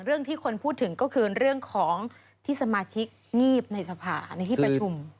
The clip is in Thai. เรื่องที่คนพูดถึงก็คือเรื่องของที่สมาชิกงีบในสภาในที่ประชุม